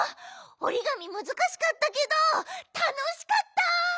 おりがみむずかしかったけどたのしかった！